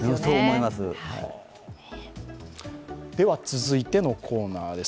続いてのコーナーです。